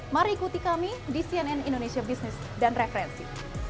mari ikuti kami di cnn indonesia business dan referensi